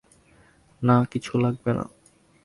না, কিছু লাগবে না।